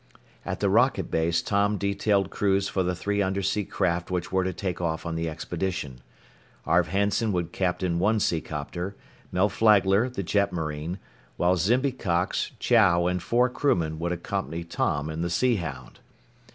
At the rocket base Tom detailed crews for the three undersea craft which were to take off on the expedition. Arv Hanson would captain one seacopter, Mel Flagler the jetmarine, while Zimby Cox, Chow, and four crewmen would accompany Tom in the Sea Hound.